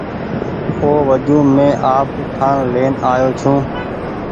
او وجون مينٚ آپ اُٺآن لين آئو ڇوٚنٚ